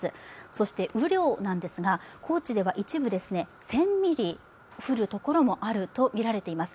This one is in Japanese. そして雨量なんですが、高知では一部１０００ミリ降るところもあるとみられています。